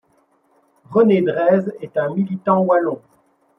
René Drèze est un militant wallon.